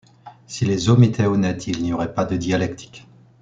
Si les hommes étaient honnêtes, il n'y aurait pas de dialectique.